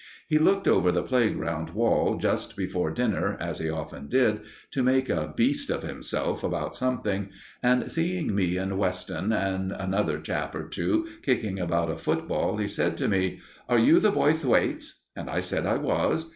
He looked over the playground wall just before dinner, as he often did, to make a beast of himself about something, and, seeing me and Weston and another chap or two kicking about a football, he said to me: "Are you the boy Thwaites?" And I said I was.